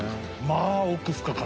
まあ。